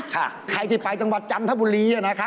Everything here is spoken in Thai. ค่ะใครที่ไปจันทร์บุรีนะครับ